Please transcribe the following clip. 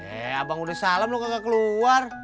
eh abang udah salam lo gak keluar